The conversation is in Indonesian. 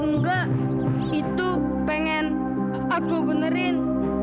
enggak itu pengen aku benerin